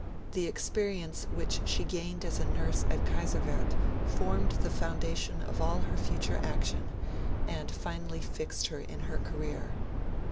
The experience which she gained as a nurse at Kaiserswerth formed the foundation of all her future action and finally fixed her in her career.